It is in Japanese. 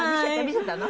見せたの？